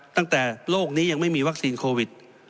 ตั้งแต่โลกนี้ยังไม่มีวัคซีนโควิด